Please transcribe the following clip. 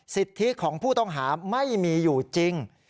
สิทธิของผู้ต้องหาไม่มีอยู่จริง